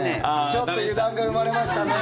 ちょっと油断が生まれましたね。